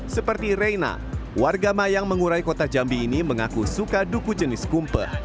seperti reina warga mayang mengurai kota jambi ini mengaku suka duku jenis kumpe